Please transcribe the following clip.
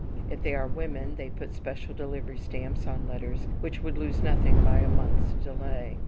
If they are women, they put special delivery stamps on letters which would lose nothing by a month's delay.